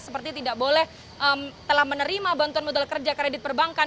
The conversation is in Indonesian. seperti tidak boleh telah menerima bantuan modal kerja kredit perbankan